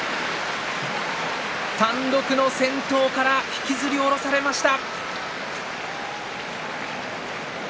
単独の先頭から引きずり下ろされました。